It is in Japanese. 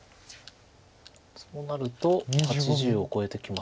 そうなると８０を超えてきます。